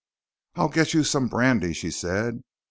"I'll get you some brandy," she said.